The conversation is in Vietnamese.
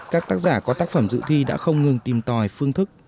các tác giả có tác phẩm dự thi đã không ngừng tìm tòi phương thức